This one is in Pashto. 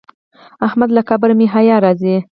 احمد له قبره مې حیا راځي.